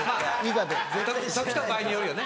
時と場合によるよね。